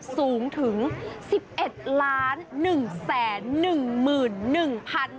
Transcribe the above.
สูงถึง๑๑๑๑๑๑๑๑ล้านบาท